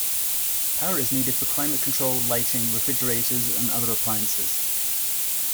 Power is needed for climate control, lighting, refrigerators and other appliances.